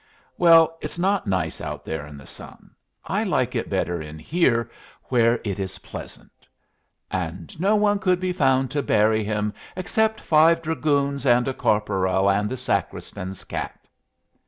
"Well, it's not nice out there in the sun. I like it better in here, where it is pleasant. "'And no one could be found to bury him except Five dragoons and a corporal And the sacristan's cat.'"